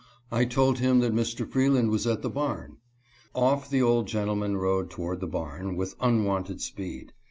I told him that Mr. Freeland was at the barn. Off the old gentleman a' brave fellow. 207 rode toward the barn, with unwonted speed.